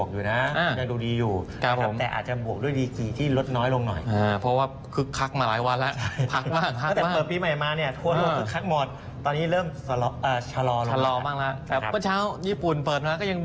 เมื่อเช้าญี่ปุ่นเปิดมาก็ยังบวกใช่มั้ยครับ